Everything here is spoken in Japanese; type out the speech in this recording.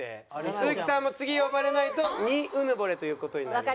鈴木さんも次呼ばれないと２うぬぼれという事になります。